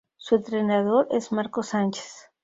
Su entrenador es Marco Sánchez.